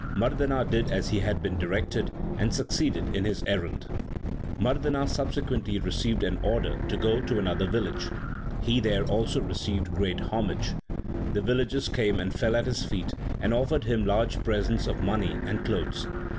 Mardana did as he had been directed, and succeeded in his errand. Mardana subsequently received an order to go to another village. He there also received great homage. LIFE OF GURU NANAK 45 The villagers came and fell at his feet, and offered him large presents of money 1 and clothes.